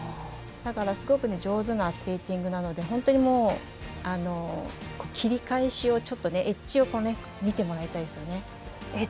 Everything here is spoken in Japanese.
だから、すごく上手なスケーティングなので本当に切り返しを、エッジを見てもらいたいですね。